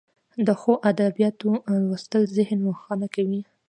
د ښو ادبیاتو لوستل ذهن روښانه کوي.